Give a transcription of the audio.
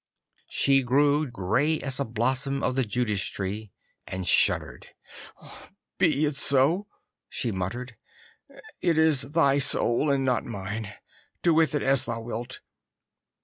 She grew grey as a blossom of the Judas tree, and shuddered. 'Be it so,' she muttered. 'It is thy soul and not mine. Do with it as thou wilt.